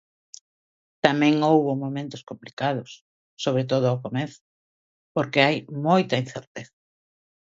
Tamén houbo momentos complicados, sobre todo ao comezo, porque hai moita incerteza.